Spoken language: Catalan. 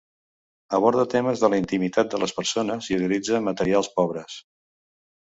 Aborda temes de la intimitat de les persones i utilitza materials pobres.